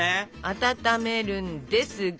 温めるんですが。